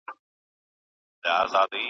سم په ښار کي وناڅم څوک خو به څه نه وايي .